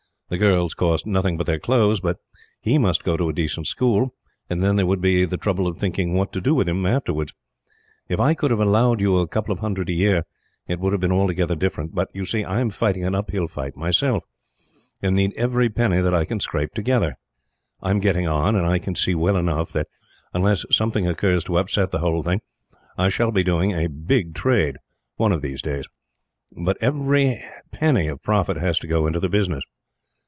The girls cost nothing but their clothes; but he must go to a decent school, and then there would be the trouble of thinking what to do with him, afterwards. If I could have allowed you a couple of hundred a year, it would have been altogether different; but you see I am fighting an uphill fight, myself, and need every penny that I can scrape together. I am getting on; and I can see well enough that, unless something occurs to upset the whole thing, I shall be doing a big trade, one of these days; but every half penny of profit has to go into the business.